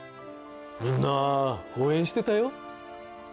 みんな応援してたよ